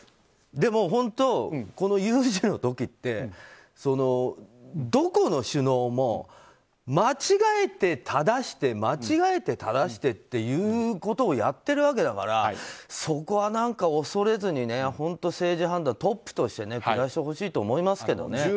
でも本当、この有事の時ってどこの首脳も間違えて正して間違えて正してっていうことをやってるわけだからそこは恐れずに、本当に政治判断トップとして下してほしいと思いますけどね。